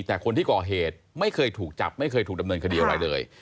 แต่คนที่ก่อเหตุไม่เคยถูกจับไม่เคยถูกดำเนินคดีอะไรเลย